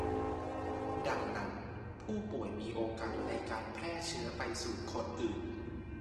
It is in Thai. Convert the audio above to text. ดังนั้นผู้ป่วยมีโอกาสในการแพร่เชื้อไปสู่คนอื่น